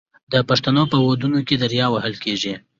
د پښتنو په ودونو کې دریا وهل کیږي.